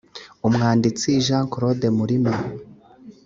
umwanditsi jean claude murima